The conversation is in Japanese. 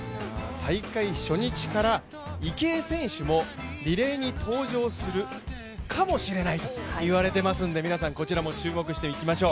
大会初日から池江選手もリレーに登場するかもしれないと言われてますので皆さん、こちらも注目していきましょう。